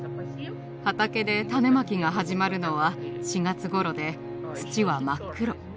畑で種まきが始まるのは４月頃で土は真っ黒。